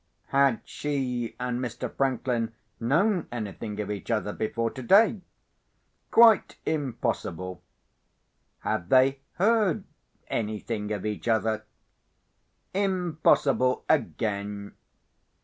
Had she and Mr. Franklin known anything of each other before today? Quite impossible! Had they heard anything of each other? Impossible again!